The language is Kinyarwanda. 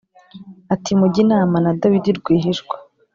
ati “Mujye inama na Dawidi rwihishwa”